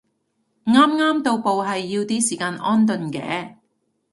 啱啱到埗係要啲時間安頓嘅